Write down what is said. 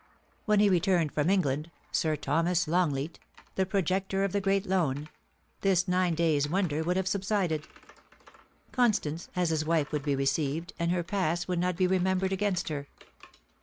When he returned from England — Sir Thomas Longleat, the projector of the great loan — this nine days' wonder would have subsided ; Constance, as his wife, would be received, and her past would not be re membered against her.